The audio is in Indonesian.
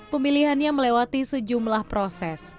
pemilihannya melewati sejumlah proses